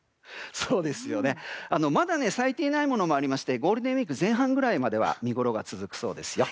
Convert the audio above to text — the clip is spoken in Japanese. まだ咲いていないものもありましてゴールデンウィーク前半くらいまで見ごろが続くそうですよ。